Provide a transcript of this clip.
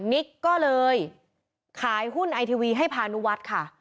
นิกก็เลยขายหุ้นไอทีวีให้พานุวัฒน์ค่ะ